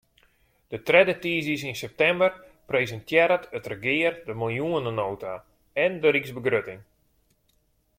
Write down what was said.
De tredde tiisdeis yn septimber presintearret it regear de miljoenenota en de ryksbegrutting.